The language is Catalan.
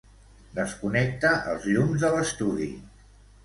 Desconnecta els llums de l'estudi.